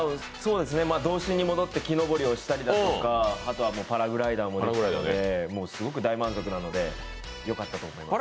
童心に戻って木登りをしたりだとか、あとはパラグライダーもできたのですごく大満足なので、よかったと思います。